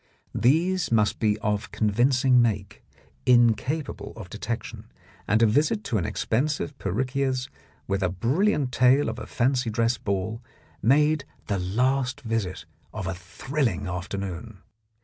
These must be of convincing make, incapable of detection ; and a visit to an expensive perruquier's, with a brilliant tale of a fancy dress ball, made the last visit of a thrilling afternoon.